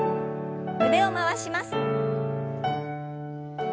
腕を回します。